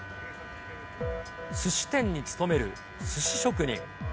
すし店に勤めるすし職人。